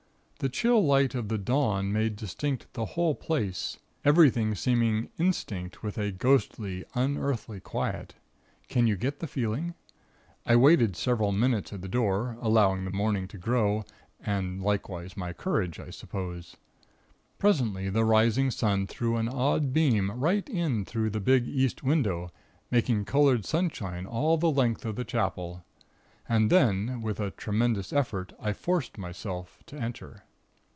The chill light of the dawn made distinct the whole place everything seeming instinct with a ghostly, unearthly quiet. Can you get the feeling? I waited several minutes at the door, allowing the morning to grow, and likewise my courage, I suppose. Presently the rising sun threw an odd beam right in through the big, East window, making colored sunshine all the length of the Chapel. And then, with a tremendous effort, I forced myself to enter.